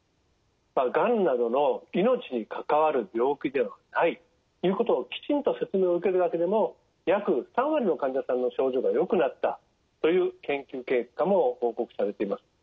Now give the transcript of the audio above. がんなどの命に関わる病気ではないということをきちんと説明を受けるだけでも約３割の患者さんの症状がよくなったという研究結果も報告されています。